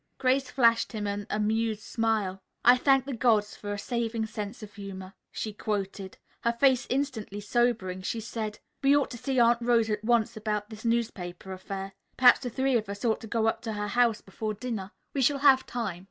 Grace flashed him an amused smile. "'I thank the gods for a saving sense of humor,'" she quoted. Her face instantly sobering she said: "We ought to see Aunt Rose at once about this newspaper affair. Perhaps the three of us ought to go up to her house before dinner. We shall have time."